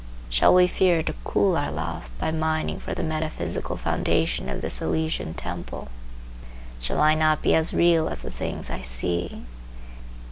Shall we fear to cool our love by mining for the metaphysical foundation of this Elysian temple? Shall I not be as real as the things I see?